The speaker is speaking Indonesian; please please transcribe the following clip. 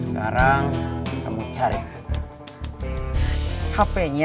sekarang kamu cari hpnya orangnya